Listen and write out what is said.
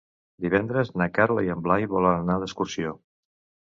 Divendres na Carla i en Blai volen anar d'excursió.